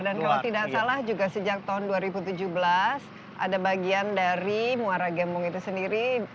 dan kalau tidak salah juga sejak tahun dua ribu tujuh belas ada bagian dari muarangimung itu sendiri